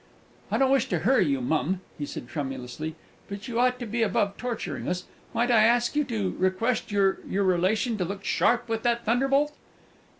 "I don't wish to hurry you, mum," he said tremulously; "but you ought to be above torturing us. Might I ask you to request your your relation to look sharp with that thunderbolt?"